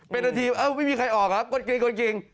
เป็นอาทิตย์เอ้อไม่มีใครออกครับกดกรีง